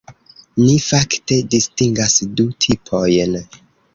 Ni fakte distingas du tipojn.